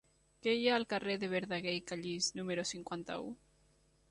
Què hi ha al carrer de Verdaguer i Callís número cinquanta-u?